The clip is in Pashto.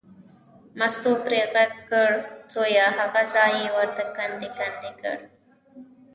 مستو پرې غږ کړ، زویه هغه ځای یې ورته کندې کندې کړ.